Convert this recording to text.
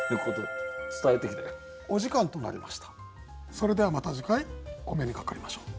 それではまた次回お目にかかりましょう。